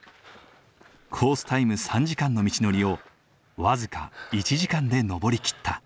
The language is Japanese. コースタイム３時間の道のりを僅か１時間で登り切った。